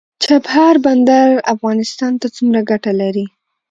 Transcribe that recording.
چابهار بندر افغانستان ته څومره ګټه لري؟